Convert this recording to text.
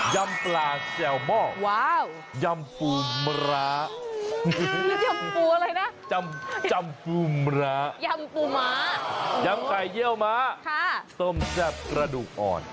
ยำปลาแซ่วหม้อยำปูมระยำไข่เยี่ยวมะส้มแซ่บกระดูกอ่อน